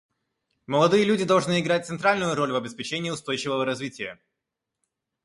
Молодые люди должны играть центральную роль в обеспечении устойчивого развития.